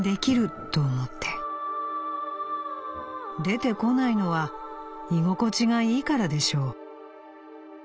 出てこないのは居心地がいいからでしょう』。